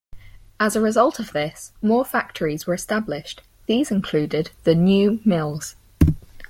As a result of this, more factories were established; these included the New Mills.